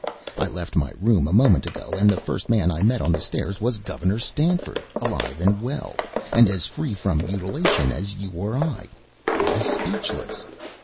I left my room a moment ago, and the first man I met on the stairs was Gov. Stanford, alive and well, and as free from mutilation as you or I. I was speechless.